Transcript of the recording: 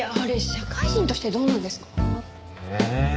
社会人としてどうなんですか？